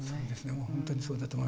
もう本当にそうだと思います。